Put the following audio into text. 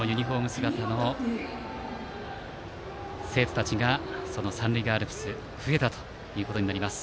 姿の生徒たちが三塁側アルプスに増えたことになります。